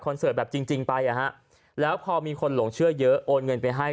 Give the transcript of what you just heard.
เสิร์ตแบบจริงไปอ่ะฮะแล้วพอมีคนหลงเชื่อเยอะโอนเงินไปให้